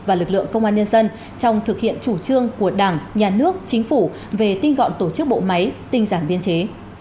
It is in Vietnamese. và lực lượng công an nhân dân trong thực hiện chủ trương của đảng nhà nước chính phủ về tinh gọn tổ chức bộ máy tinh giản biên chế